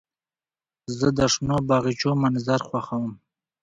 زه د شنو باغچو منظر خوښوم.